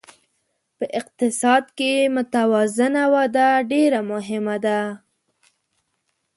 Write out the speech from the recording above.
په اقتصاد کې متوازنه وده ډېره مهمه ده.